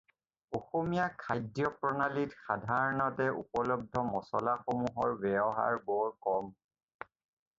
অসমীয়া খাদ্য প্ৰণালীত সাধাৰণতে উপলব্ধ মচলা সমুহৰ ব্যৱহাৰ বৰ কম।